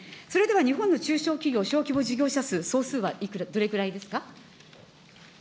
それでは日本の中小企業・小規模事業者数、総数はどれくらいですか。